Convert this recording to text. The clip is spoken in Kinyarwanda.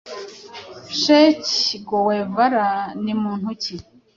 che guevara ni muntu ki